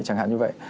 chẳng hạn như vậy